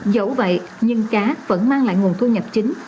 dẫu vậy nhưng cá vẫn mang lại nguồn thu nhập chính